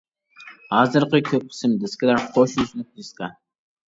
ھازىرقى كۆپ قىسىم دىسكىلار قوش يۈزلۈك دىسكا.